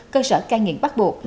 cơ sở ca nghiện bắt buộc